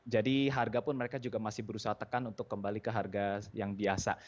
jadi harga pun mereka juga masih berusaha tekan untuk kembali ke harga yang biasa